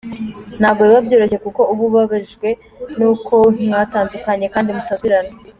Ntabwo biba byoroshye kuko uba ubabajwe nuko mwatandukanye kandi mutasubirana.